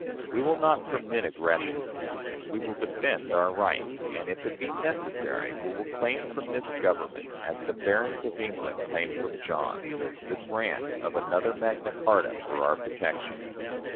We will not permit aggressions. We will defend our rights; and, if it be necessary, we will claim from this Government, as the barons of England claimed from John, the grant of another Magna Charta for our protection.